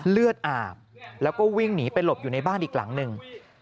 เลือดอาบแล้วก็วิ่งหนีไปหลบอยู่ในบ้านอีกหลังหนึ่ง